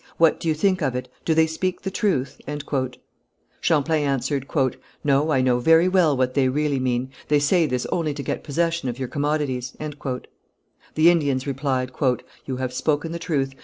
What do you think of it? Do they speak the truth?" Champlain answered: "No, I know very well what they really mean; they say this only to get possession of your commodities." The Indians replied: "You have spoken the truth.